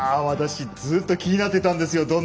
私ずっと気になってたんですよ。